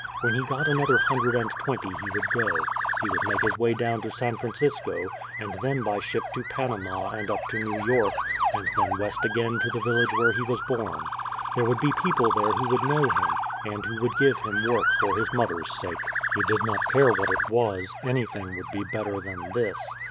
When he got another hundred and twenty he would go; he would make his way down to San Francisco, and then by ship to Panama and up to New York, and then west again to the village where he was born. There would be people there who would know him, and who would give him work for his mother's sake. He did not care what it was; anything would be better than this.